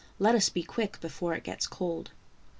Let us be quick before it gets cold."